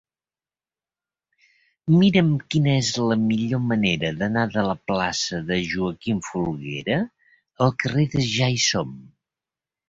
Mira'm quina és la millor manera d'anar de la plaça de Joaquim Folguera al carrer de Ja-hi-som.